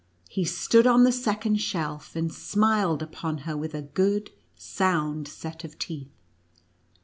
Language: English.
He stood on the second shelf, and smiled upon her with a good, sound set of teeth.